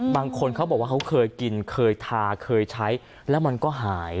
บางคนเขาบอกว่าเขาเคยกินเคยทาเคยใช้แล้วมันก็หาย